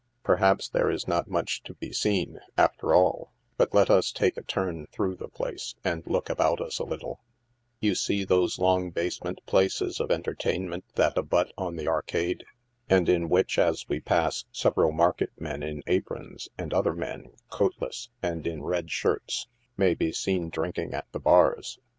Perhaps there is not much to be seen, after all, but let us take a turn through the place, and look about us a little You see those long basement places of entertainment that abut on the arcade, and in which, as wo pass, several marketmen in aprons, and other men, coatless, and |n red shirts, may be seen drinking at the bars.